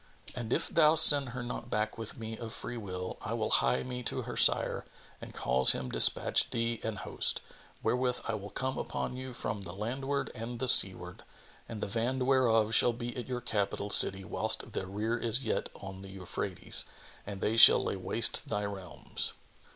And if thou send her not back with me of free will, I will hie me to her sire and cause him despatch thee an host, wherewith I will come upon you from the landward and the seaward; and the van whereof shall be at your capital city whilst the rear is yet on the Euphrates[FN#25] and they shall lay waste thy realms."